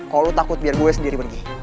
kalau lo takut biar gue sendiri pergi